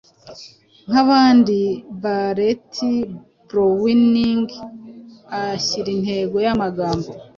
nkabandi-Barrett Browning ahyira intego yamagambo